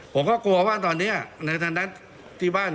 ผมก็กลัวว่าตอนนี้นายธนัดที่บ้าน